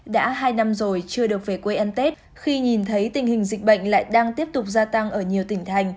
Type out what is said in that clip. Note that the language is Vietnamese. đã hai năm rồi chưa được về quê ăn tết khi nhìn thấy tình hình dịch bệnh lại đang tiếp tục gia tăng ở nhiều tỉnh thành